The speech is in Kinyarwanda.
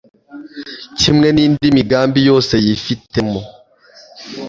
kimwe n'indi migambi yose yifitemo